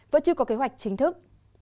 vẫn chưa có kế hoạch chính thức